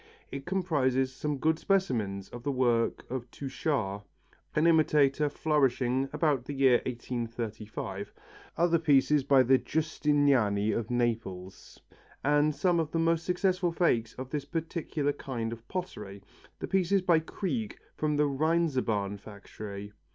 It comprises some good specimens of the work of Touchard, an imitator flourishing about the year 1835, other pieces by the Giustiniani of Naples, and some of the most successful fakes of this particular kind of pottery, the pieces by Krieg from the Rheinzabern factory.